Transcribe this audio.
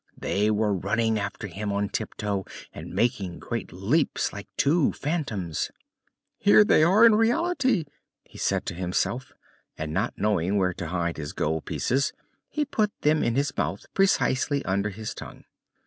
They were running after him on tiptoe and making great leaps like two phantoms. "Here they are in reality!" he said to himself and, not knowing where to hide his gold pieces, he put them in his mouth precisely under his tongue.